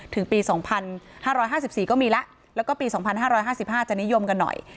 ถึงปีสองพันห้าร้อยห้าสิบสี่ก็มีแล้วแล้วก็ปีสองพันห้าร้อยห้าสิบห้าจะนิยมกันหน่อย